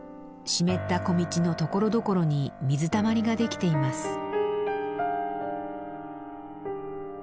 湿った小道のところどころに水たまりが出来ています。